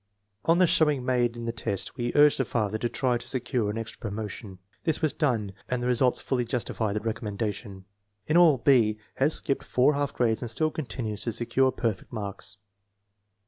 On the showing made in the test we urged the father to try to secure an extra promotion. This was done, and the results fully justified the recommendation. In all, B. has skipped four half grades and still continues to secure perfect marks.